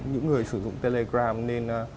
những người sử dụng telegram nên